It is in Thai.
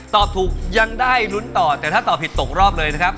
ตอบถูกยังได้ลุ้นต่อแต่ถ้าตอบผิดตกรอบเลยนะครับ